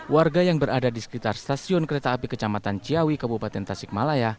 warga yang berada di sekitar stasiun kereta api kecamatan ciawi kabupaten tasikmalaya